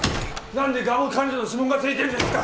なんで蒲生兼人の指紋が付いてるんですか！？